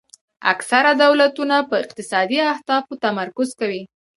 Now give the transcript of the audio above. اکثره دولتونه په اقتصادي اهدافو تمرکز کوي